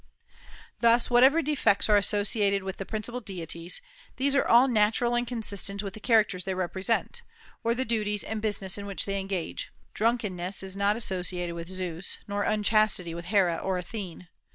Thus, whatever defects are associated with the principal deities, these are all natural and consistent with the characters they represent, or the duties and business in which they engage. Drunkenness is not associated with Zeus, or unchastity with Hera or Athene.